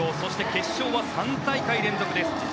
決勝は３大会連続です。